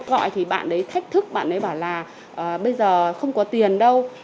gọi thì bạn đấy thách thức bạn ấy bảo là bây giờ không có tiền đâu